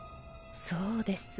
そうです。